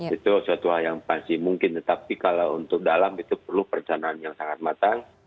itu suatu hal yang pasti mungkin tetapi kalau untuk dalam itu perlu perencanaan yang sangat matang